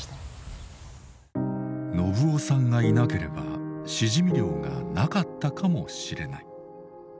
信夫さんがいなければしじみ漁がなかったかもしれない。